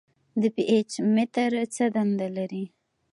د پي ایچ متر څه دنده لري.